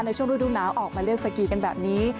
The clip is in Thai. ในช่วงรุ่นดุหนาวออกมาเลี่ยงสกีกันแบบนี้